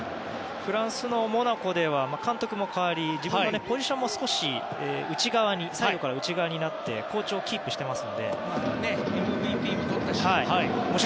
フランスのモナコでは監督も代わり自分のポジションも少し左右から内側になって好調をキープしていますので。